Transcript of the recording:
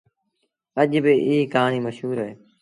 اڄ با ايٚ ڪهآڻيٚ مشهور اهي۔